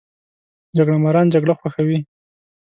جګړه ماران جګړه خوښوي